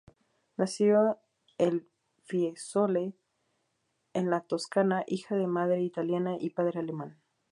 Nació el Fiesole, en la Toscana, hija de madre italiana y padre alemán.